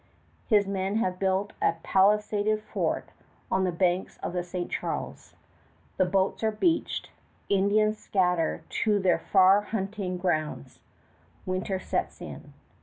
His men have built a palisaded fort on the banks of the St. Charles. The boats are beached. Indians scatter to their far hunting grounds. Winter sets in.